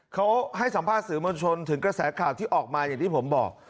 เขาให้สัมภาษณ์สื่อมวลชนถึงกระแสข่าวที่ออกมาอย่างที่ผมบอก